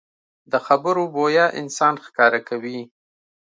د خبرو بویه انسان ښکاره کوي